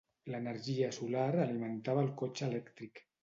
L'energia solar alimentava el cotxe elèctric.